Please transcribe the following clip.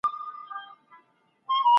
لنډمهاله بدلون بسنه نه کوي.